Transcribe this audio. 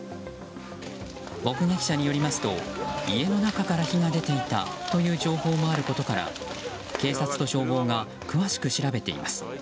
目撃者によりますと家の中から火が出ていたという情報もあることから警察と消防が詳しく調べています。